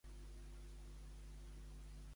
Quin és l'objectiu de la Crida?